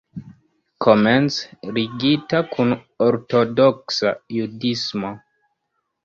Komence ligita kun Ortodoksa Judismo.